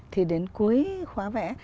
thì đến cuối khóa vẽ